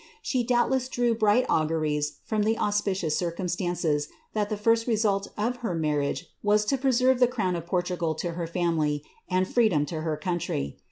She doubtless (ht auguries from the auspicious circumstance that the first her marriage was to presenre the crown of Portugal to her d fineedom to her country.